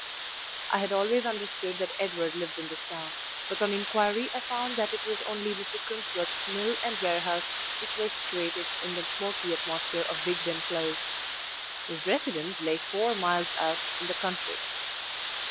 I had always understood that Edward lived in this town, but on inquiry I found that it was only Mr. Crimsworth's mill and warehouse which were situated in the smoky atmosphere of Bigben Close; his RESIDENCE lay four miles out, in the country.